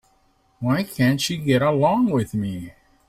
Why can't she get along with me?